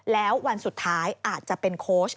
แล้ววันสุดท้ายอาจจะเป็นโค้ช